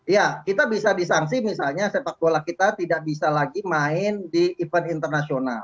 ya kita bisa disangsi misalnya sepak bola kita tidak bisa lagi main di event internasional